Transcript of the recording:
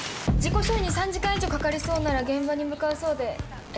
事故処理に３時間以上かかりそうなら現場に向かうそうで。